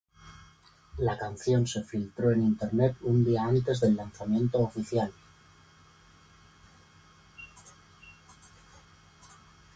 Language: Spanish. La canción se filtró en Internet un día antes del lanzamiento oficial.